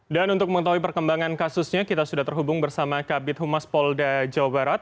dan untuk mengetahui perkembangan kasusnya kita sudah terhubung bersama kabit humas polda jawa barat